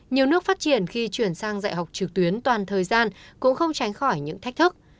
nhiều nước phát triển khi chuyển sang dạy học trực tuyến toàn thời gian cũng không tránh khỏi những thách thức